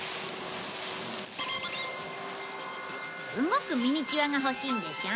動くミニチュアが欲しいんでしょ？